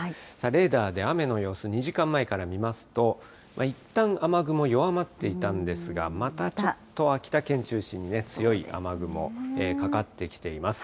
レーダーで雨の様子、２時間前から見ますと、いったん、雨雲弱まっていたんですが、またちょっと秋田県中心に、強い雨雲、かかってきています。